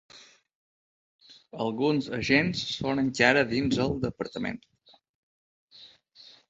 Alguns agents són encara dins el departament.